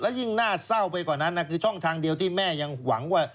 ยิ่งน่าเศร้าไปกว่านั้นคือช่องทางเดียวที่แม่ยังหวังว่า